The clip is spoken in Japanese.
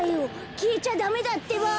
きえちゃダメだってば！